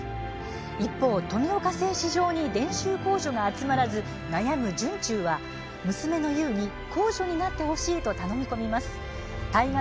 一方、富岡製糸場に伝習工女が集まらず悩む惇忠は娘のゆうに工女になってほしいと頼み込みます。